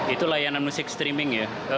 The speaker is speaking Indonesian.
itu layanan musik streaming ya